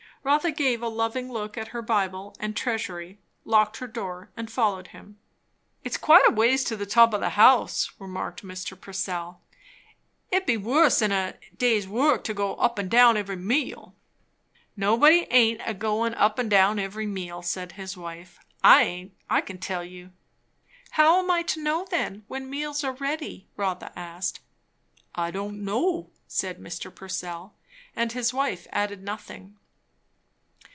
Rotha gave a loving look at her Bible and "Treasury," locked her door, and followed him. "It's quite a ways to the top o' the house," remarked Mr. Purcell. "It'd be wuss 'n a day's work to go up and down every meal." "Nobody aint a goin' up and down every meal," said his wife. "I aint, I can tell you." "How am I to know, then, when meals are ready?" Rotha asked. "I don' know," said Mr. Purcell; and his wife added nothing.